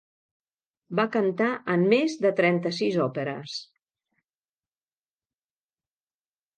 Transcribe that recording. Va cantar en més de trenta-sis òperes.